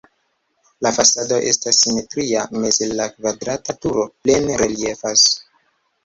La fasado estas simetria, meze la kvadrata turo plene reliefas.